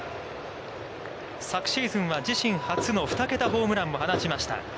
昨シーズンは自身初の２桁ホームランも放ちました。